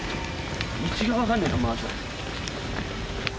道がわかんねえなまず。